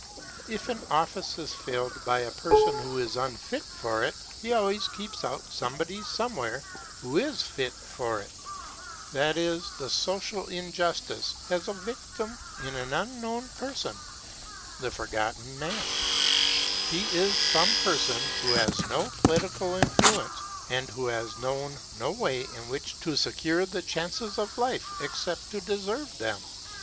If an office is filled by a person who is unfit for it, he always keeps out somebody somewhere who is fit for it; that is, the social injustice has a victim in an unknown person the Forgotten Man and he is some person who has no political influence, and who has known no way in which to secure the chances of life except to deserve them.